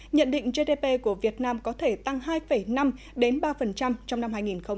nhận định gdp của việt nam có thể tăng hai năm đến ba trong năm hai nghìn hai mươi